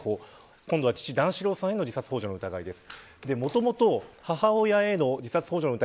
今度は父、段四郎さんへの自殺ほう助の疑いです。